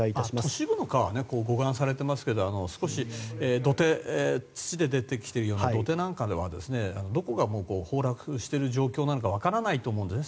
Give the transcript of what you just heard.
都市部の川は護岸されていますけど土で出来ているような土手なんかはどこが崩落している状況なのか分からないと思うのでね